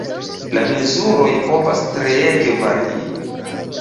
La mezuroj povas treege varii.